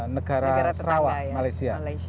negara sarawak malaysia